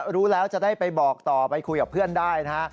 รู้แล้วจะได้ไปบอกต่อไปคุยกับเพื่อนได้นะฮะ